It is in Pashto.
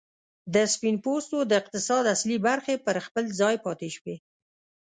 د سپین پوستو د اقتصاد اصلي برخې پر خپل ځای پاتې شوې.